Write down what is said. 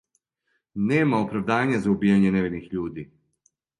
Нема оправдања за убијање невиних људи.